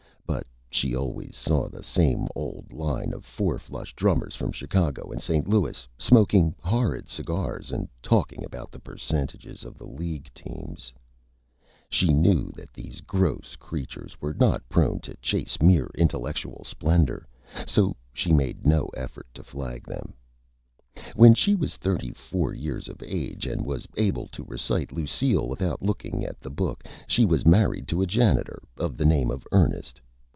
But she always saw the same old line of Four Flush Drummers from Chicago and St. Louis, smoking Horrid Cigars and talking about the Percentages of the League Teams. She knew that these Gross Creatures were not prone to chase mere Intellectual Splendor, so she made no effort to Flag them. [Illustration: FOUR FLUSH DRUMMER] When she was Thirty Four years of age and was able to recite "Lucile" without looking at the Book she was Married to a Janitor of the name of Ernest.